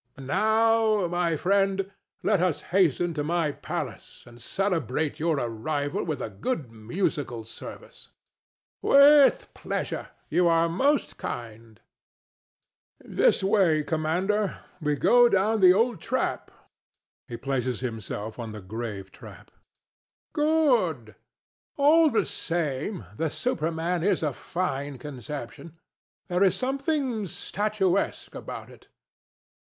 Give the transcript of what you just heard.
And now, my friend, let us hasten to my palace and celebrate your arrival with a grand musical service. THE STATUE. With pleasure: you're most kind. THE DEVIL. This way, Commander. We go down the old trap [he places himself on the grave trap]. THE STATUE. Good. [Reflectively] All the same, the Superman is a fine conception. There is something statuesque about it.